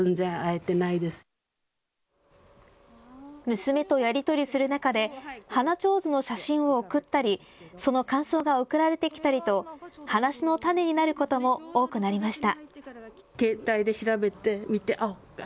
娘とやり取りする中で花ちょうずの写真を送ったりその感想が送られてきたりと話のタネになることも多くなりました。